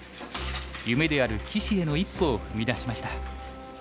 夢である棋士への一歩を踏み出しました。